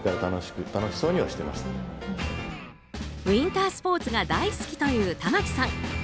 ウィンタースポーツが大好きという玉木さん。